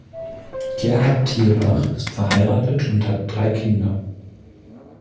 Gerhard Thierbach ist verheiratet und hat drei Kinder.